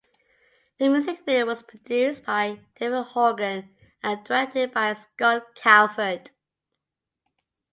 The music video was produced by David Horgan and directed by Scott Kalvert.